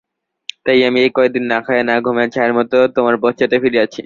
তাই আমি এ কয়দিন না খাইয়া না ঘুমাইয়া ছায়ার মতো তোমার পশ্চাতে ফিরিয়াছি।